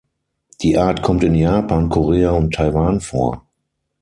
Die Art kommt in Japan, Korea und Taiwan vor.